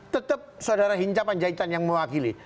tetap saudara hinca panjaitan yang mewakili